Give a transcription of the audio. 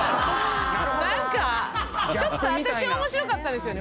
何かちょっと私面白かったんですよね。